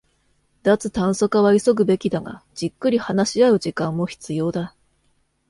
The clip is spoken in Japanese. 脱炭素化は急ぐべきだが、じっくり話し合う時間も必要だ